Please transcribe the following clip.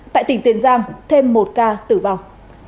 tại tỉnh tiền giang thêm một ca tử vong